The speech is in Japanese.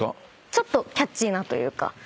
ちょっとキャッチーなというか。